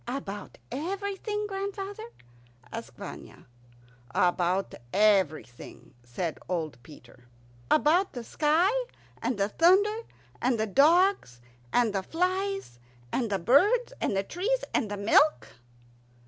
"About everything, grandfather?" asked Vanya. "About everything," said old Peter. "About the sky, and the thunder, and the dogs, and the flies, and the birds, and the trees, and the milk?"